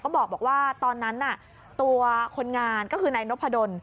บอกว่าตอนนั้นน่ะตัวคนงานก็คือนายนพดล